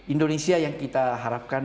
indonesia yang kita harapkan